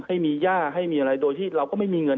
ให้มีย่าให้มีอะไรโดยที่เราก็ไม่มีเงิน